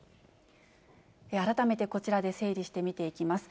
改めてこちらで整理して見ていきます。